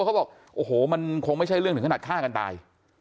เขาบอกโอ้โหมันคงไม่ใช่เรื่องถึงขนาดฆ่ากันตาย